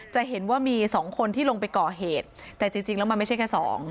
จะเห็นว่ามีสองคนที่ลงไปก่อเหตุแต่จริงแล้วมันไม่ใช่แค่สอง